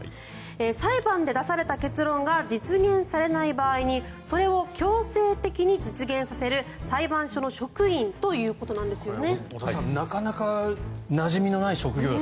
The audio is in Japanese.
裁判で出された結論が実現されない場合にそれを強制的に実現させる裁判所の職員ということなんですよね。